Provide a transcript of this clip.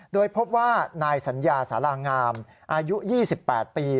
โดยพบว่านายสัญญาสารางามอายุ๒๘ปี